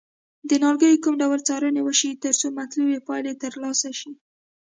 د نیالګیو کوم ډول څارنه وشي ترڅو مطلوبې پایلې ترلاسه شي.